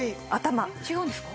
違うんですか？